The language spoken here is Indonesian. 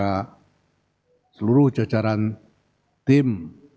kepada seluruh jajaran tim